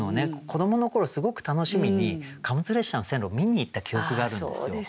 子どもの頃すごく楽しみに貨物列車の線路を見に行った記憶があるんですよ。